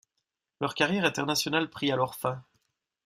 Leur carrière internationale prit alors fin.